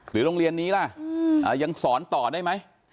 โรงเรียนนี้ล่ะยังสอนต่อได้ไหม